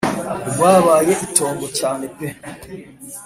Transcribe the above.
rwabaye itongo cyane pe